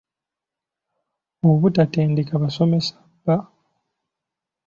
Obutatendeka basomesa ba